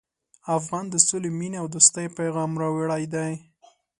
افغان د سولې، مینې او دوستۍ پیغام راوړی دی.